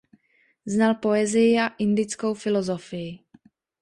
Znal poezii a indickou filozofii.